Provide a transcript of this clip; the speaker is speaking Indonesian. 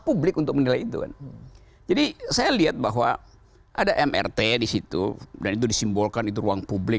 publik untuk menilai itu kan jadi saya lihat bahwa ada mrt disitu dan itu disimbolkan itu ruang publik